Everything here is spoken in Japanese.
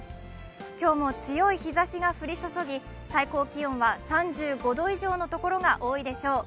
今日も強い日ざしが降り注ぎ、最高気温は３５度以上のところが多いでしょう。